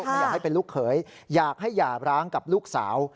ไม่อยากให้เป็นลูกเขยอยากให้หย่าร้างกับลูกสาว